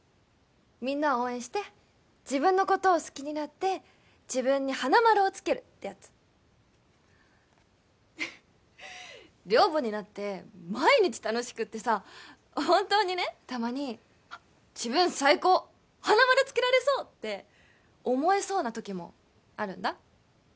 みんなを応援して自分のことを好きになって自分に花丸をつけるってやつ寮母になって毎日楽しくってさ本当にねたまに自分最高花丸つけられそうって思えそうな時もあるんだ